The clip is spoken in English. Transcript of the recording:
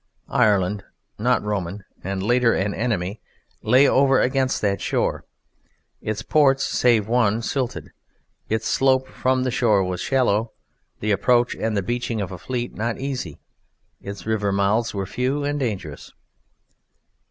Ireland not Roman, and later an enemy lay over against that shore. Its ports (save one) silted. Its slope from the shore was shallow: the approach and the beaching of a fleet not easy. Its river mouths were few and dangerous.